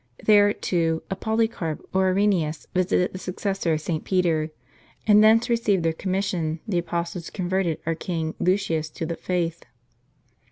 There, too, a Poly carp or Irengeus visited the successor of St. Peter ; and thence received their commission the apostles who converted our King Lucius to the faith.